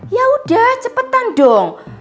yaudah cepetan dong